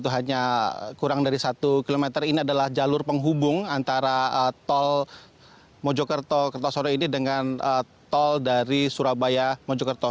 hanya kurang dari satu km ini adalah jalur penghubung antara tol mojokerto kertosoro ini dengan tol dari surabaya mojokerto